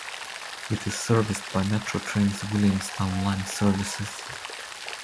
It is serviced by Metro Trains' Williamstown line services.